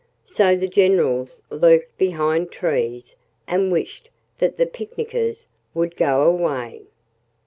So the generals lurked behind trees and wished that the picnickers would go away.